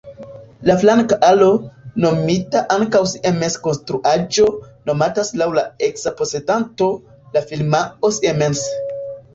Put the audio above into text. La flanka alo, nomita ankaŭ Siemens-konstruaĵo, nomatas laŭ la eksa posedanto, la firmao Siemens.